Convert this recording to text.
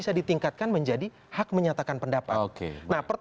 yang namanya hak menyatakan pendapat